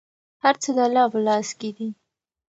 هر څه د الله په لاس کې دي.